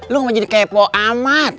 lo mau jadi kepo amat